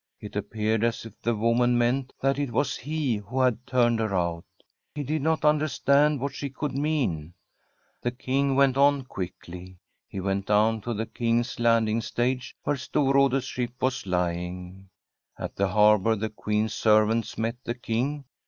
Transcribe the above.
It appeared as if the woman meant that it was he who had turned her out. He did not understand what she could mean. The King went on quickly. He went down to the King's Landing Stage, where Storrade's ship was lying. At the harbour the Queen's servants met the King.